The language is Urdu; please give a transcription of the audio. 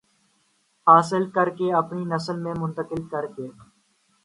حاصل کر کے اپنی نسل میں منتقل کر کے